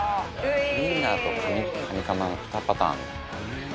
「ウインナーとカニカマの２パターンあるんだ」